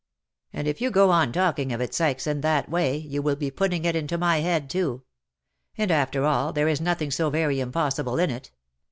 " And if you go on talking of it, Sykes, in that way, you will be putting it into my head too. And after all, there is nothing so very impossible in it.